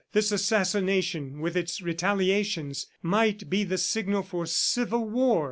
This assassination, with its retaliations, might be the signal for civil war.